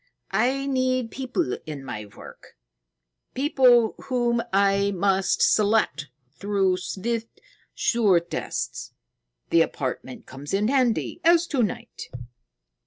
"I need people in my work, people whom I must select through swift, sure tests. The apartment comes in handy, as to night."